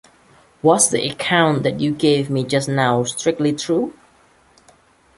Was the account you gave me just now strictly true?